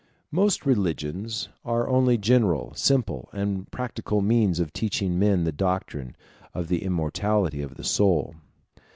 Most religions are only general, simple, and practical means of teaching men the doctrine of the immortality of the soul.